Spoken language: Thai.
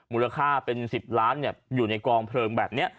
มูลค่าเป็นสิบล้านเนี้ยอยู่ในกองเพลิงแบบเนี้ย